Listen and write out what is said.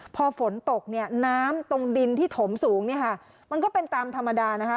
พอฝนตกเนี่ยน้ำตรงดินที่ถมสูงเนี่ยค่ะมันก็เป็นตามธรรมดานะคะ